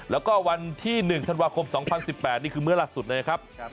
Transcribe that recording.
แล้วก็วันที่๑ธันวาคม๒๐๑๘นี่คือเมื่อล่าสุดนะครับ